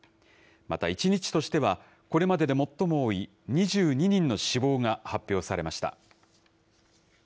また１日としてはこれまでで最も多い２２人の死亡が発表されました。